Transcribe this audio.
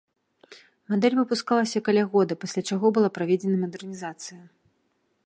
Мадэль выпускалася каля года, пасля чаго была праведзена мадэрнізацыя.